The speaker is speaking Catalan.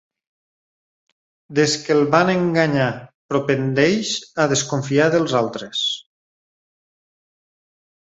Des que el van enganyar propendeix a desconfiar dels altres.